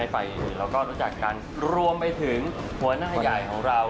เราก็รู้จักกันรวมไปถึงหัวหน้าใหญ่ของเรา